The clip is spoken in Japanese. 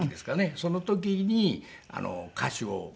その時に歌手を。